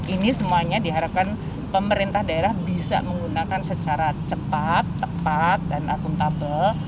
ini semuanya diharapkan pemerintah daerah bisa menggunakan secara cepat tepat dan akuntabel